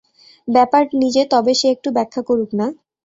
ব্যাপার নিজে তবে সে একটু ব্যাখ্যা করুক না?